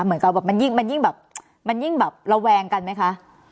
เหมือนกับมันยิ่งแบบมันยิ่งแบบระแวงกันไหมคะ